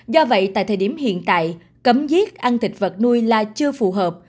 do vậy tại thời điểm hiện tại cấm giết ăn thịt vật nuôi là chưa phù hợp